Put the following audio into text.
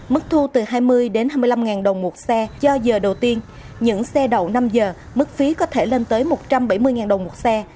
mức thu từ hai mươi hai mươi năm đồng một xe do giờ đầu tiên những xe đậu năm giờ mức phí có thể lên tới một trăm bảy mươi đồng một xe